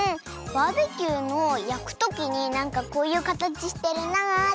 バーベキューのやくときになんかこういうかたちしてるなあって。